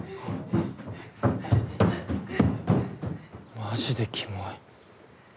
マジでキモい。